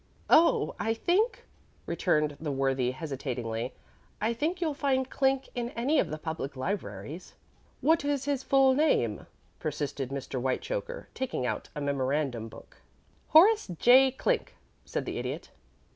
"Oh, I think," returned that worthy, hesitatingly "I think you'll find Clink in any of the public libraries." "What is his full name?" persisted Mr. Whitechoker, taking out a memorandum book. "Horace J. Clink," said the Idiot.